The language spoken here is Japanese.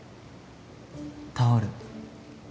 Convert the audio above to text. タオル。